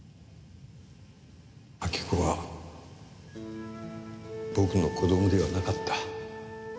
明子は僕の子供ではなかった。